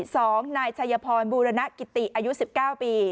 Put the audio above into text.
สองนายชัยพรบูรณกิติอายุ๑๙ปี